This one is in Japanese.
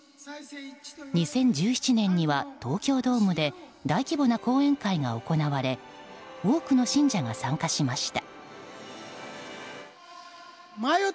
２０１７年には東京ドームで大規模な講演会が行われ多くの信者が参加しました。